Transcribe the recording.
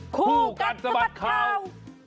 คู่กัดสะบัดข่าว